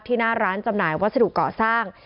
หน้าร้านจำหน่ายวัสดุเกาะสร้าง